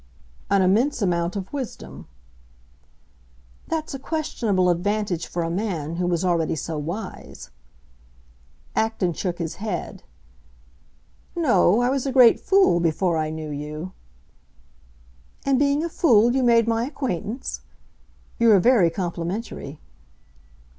"An immense amount of wisdom." "That's a questionable advantage for a man who was already so wise!" Acton shook his head. "No, I was a great fool before I knew you!" "And being a fool you made my acquaintance? You are very complimentary."